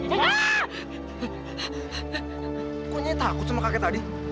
kok nyia takut sama kakek tadi